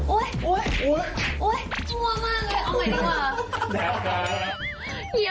โอ๊ยโอ๊ยโอ๊ยโอ๊ยมั่วมากเลยเอาใหม่ดีกว่า